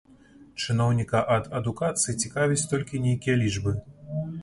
Чыноўніка ад адукацыі цікавяць толькі нейкія лічбы.